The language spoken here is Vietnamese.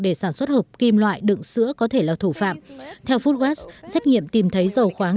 để sản xuất hộp kim loại đựng sữa có thể là thủ phạm theo foodwatt xét nghiệm tìm thấy dầu khoáng